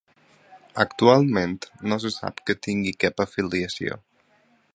Actualment, no se sap que tingui cap afiliació.